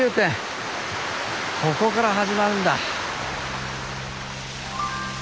ここから始まるんだ。